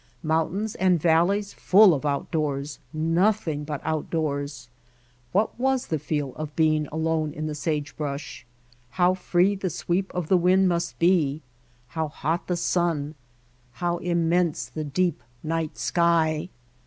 Mountains and valleys full of outdoors, nothing but outdoors! What was the feel of being alone in the sagebrush? How free the sweep of the wind must be, how hot the sun, how immense the deep night sky!